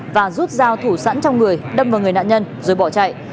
và rút dao thủ sẵn trong người đâm vào người nạn nhân rồi bỏ chạy